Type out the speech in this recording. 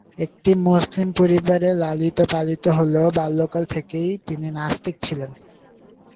একটি মুসলিম পরিবারে লালিত-পালিত হলেও বাল্যকাল থেকেই তিনি নাস্তিক ছিলেন।